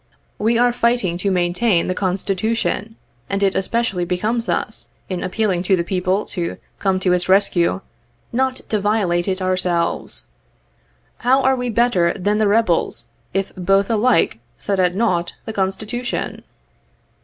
~\y e are fighting to maintain the Constitution, and it especially becomes us, in appealing to the people to come to its rescue, not to violate it ourselves. How are we better titan the rebels, if both alike set at nought the Constitution.''